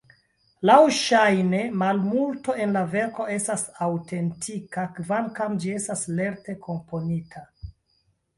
Laŭŝajne, malmulto en la verko estas aŭtentika, kvankam ĝi estas lerte komponita.